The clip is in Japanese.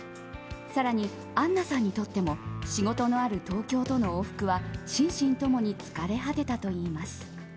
更に、アンナさんにとっても仕事のある東京との往復は心身ともに疲れ果てたといいます。